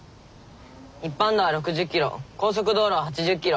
一般道は６０キロ高速道路は８０キロ。